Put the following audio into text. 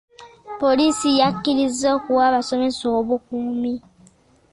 Poliisi yakkiriza okuwa abasomesa obukuumi.